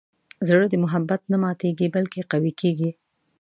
زړه د محبت نه ماتیږي، بلکې قوي کېږي.